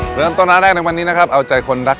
เพื่อนตัวน้ำได้ในวันนี้นะครับเอาใจคนรัก